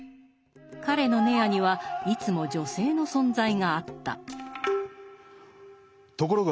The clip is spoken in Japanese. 彼の閨にはいつも女性の存在があった。